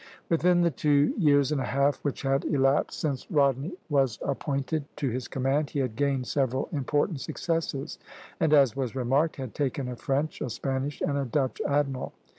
Within the two years and a half which had elapsed since Rodney was appointed to his command he had gained several important successes, and, as was remarked, had taken a French, a Spanish, and a Dutch admiral.